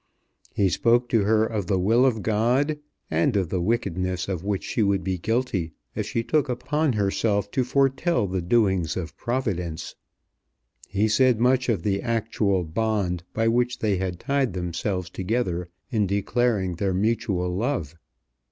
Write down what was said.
He spoke to her of the will of God, and of the wickedness of which she would be guilty if she took upon herself to foretell the doings of Providence. He said much of the actual bond by which they had tied themselves together in declaring their mutual love.